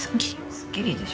すっきりでしょ。